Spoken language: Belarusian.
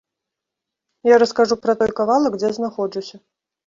Я раскажу пра той кавалак, дзе знаходжуся.